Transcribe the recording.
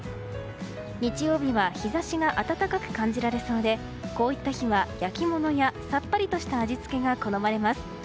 日曜日は日差しが暖かく感じられそうでこういった日は焼き物やさっぱりとした味付けが好まれます。